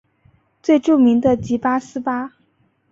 最著名的即八思巴。